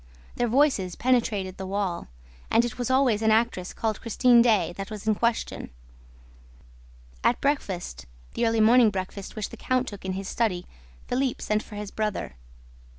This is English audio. Their voices penetrated the wall; and it was always an actress called Christine Daae that was in question. At breakfast the early morning breakfast, which the count took in his study Philippe sent for his brother.